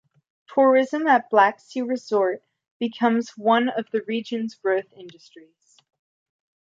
Tourism at Black Sea resorts became one of the region's growth industries.